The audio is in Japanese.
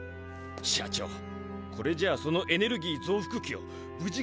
社長これじゃあそのエネルギーぞうふくきをぶじ